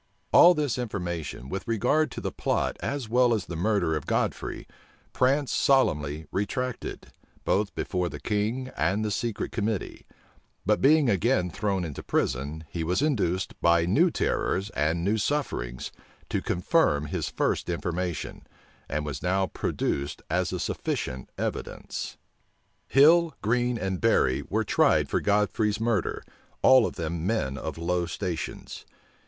All this information, with regard to the plot as well as the murder of Godfrey, Prance solemnly retracted, both before the king and the secret committee: but being again thrown into prison, he was induced, by new terrors and new sufferings, to confirm his first information, and was now produced as a sufficient evidence. Hill, Green, and Berry were tried for Godfrey's murder, all of them men of low stations.